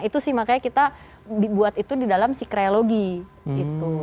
itu sih makanya kita dibuat itu di dalam si kreologi gitu